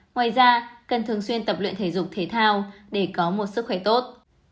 ngoài ra cần thường xuyên tập luyện thể dục thể thao để có một sức khỏe tốt